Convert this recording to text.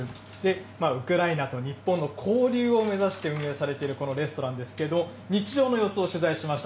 ウクライナと日本の交流を目指して運営されているこのレストランですけれども、日常の様子を取材しました。